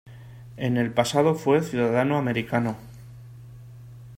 En el pasado fue ciudadano americano.